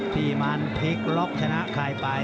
ที่มานเทคล็อกชนะคลายไป